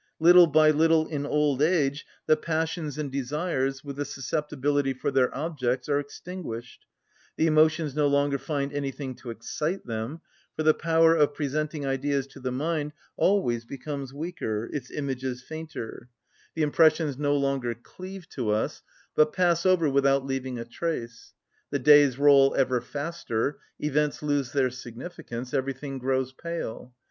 Little by little in old age, the passions and desires, with the susceptibility for their objects, are extinguished; the emotions no longer find anything to excite them; for the power of presenting ideas to the mind always becomes weaker, its images fainter; the impressions no longer cleave to us, but pass over without leaving a trace, the days roll ever faster, events lose their significance, everything grows pale.